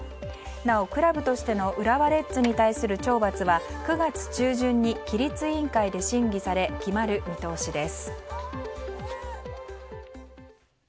なお、クラブとしての浦和レッズに対する懲罰は、９月中旬に規律委員会で審議され決まる見通しです。